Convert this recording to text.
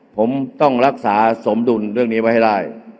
ผมต้องรักษาสมดุลเรื่องนี้ไว้ให้ได้